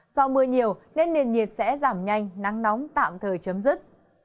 do mưa nhiều nên nền nhiệt sẽ giảm nhanh nắng nóng tạm thời chấm dứt